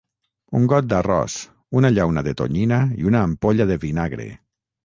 Un got d'arròs, una llauna de tonyina i una ampolla de vinagre.